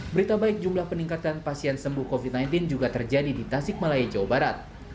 berita baik jumlah peningkatan pasien sembuh covid sembilan belas juga terjadi di tasik malaya jawa barat